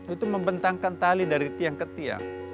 itu membentangkan tali dari tiang ke tiang